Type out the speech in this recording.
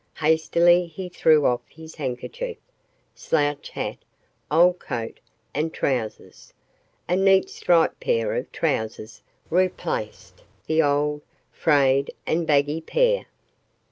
Hastily he threw off his handkerchief, slouch hat, old coat and trousers. A neat striped pair of trousers replaced the old, frayed and baggy pair.